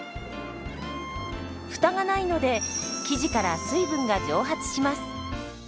フタがないので生地から水分が蒸発します。